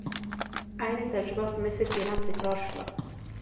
عین تجربه په مصر کې هم تکرار شوه.